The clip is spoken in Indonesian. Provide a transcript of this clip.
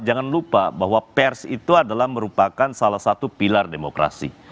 jangan lupa bahwa pers itu adalah merupakan salah satu pilar demokrasi